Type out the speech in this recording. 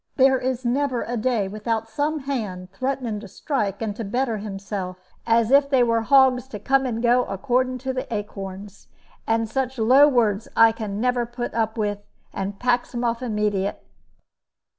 There is never a day without some hand threatening to strike and to better himself, as if they were hogs to come and go according to the acorns; and such low words I can never put up with, and packs them off immediate.